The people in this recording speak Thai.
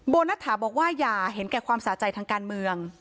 นัทถาบอกว่าอย่าเห็นแก่ความสะใจทางการเมือง